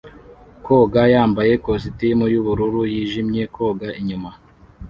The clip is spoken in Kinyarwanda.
Koga yambaye ikositimu yubururu yijimye koga inyuma